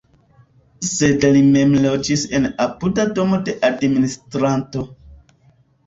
Sed li mem loĝis en apuda domo de administranto.